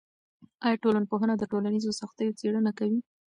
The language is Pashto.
آیا ټولنپوهنه د ټولنیزو سختیو څیړنه کوي؟